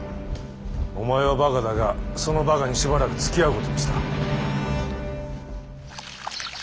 お前は馬鹿だがその馬鹿にしばらくつきあう事にした。